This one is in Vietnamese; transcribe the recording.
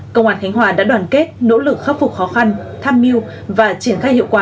công an khánh hòa đã đoàn kết nỗ lực khắc phục khó khăn tham mưu và triển khai hiệu quả